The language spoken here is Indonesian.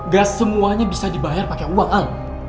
gas semuanya bisa dibayar pakai uang al